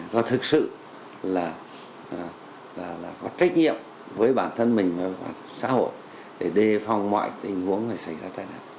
và thực sự là có trách nhiệm với bản thân mình và xã hội để đề phòng mọi tình huống xảy ra tai nạn